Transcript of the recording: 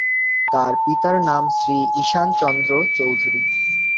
তার পিতার নাম শ্রী ঈশান চন্দ্র চৌধুরী।